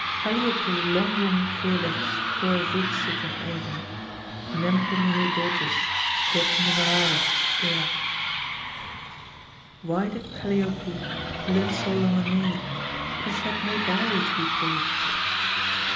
Calliope longum caelebs cur vixit in aevum? Nempe nihil dotis, quod numeraret, erat. Why did Calliope live so long a maid? Because she had no dowry to be paid.